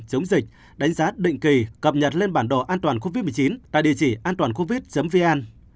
chống dịch đánh giá định kỳ cập nhật lên bản đồ an toàn covid một mươi chín tại địa chỉ anton covid vn